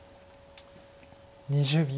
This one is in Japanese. ２０秒。